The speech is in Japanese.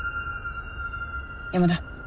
山田。